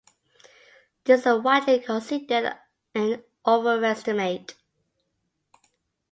This is widely considered an overestimate.